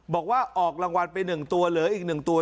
บอกว่าออกรางวัลไป๑ตัวเหลืออีก๑ตัว